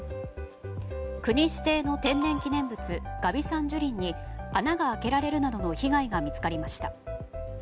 国指定の天然記念物峨眉山樹林に穴が開けられるなどの被害が見つかりました。